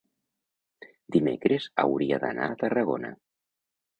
dimecres hauria d'anar a Tarragona.